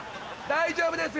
大丈夫です。